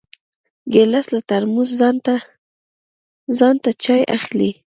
ګیلاس له ترموزه ځان ته چای اخلي.